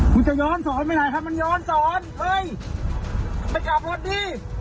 คุณจะย้อนสอนไปไหนครับมันย้อนสอนเฮ้ยไปกลับรถดิ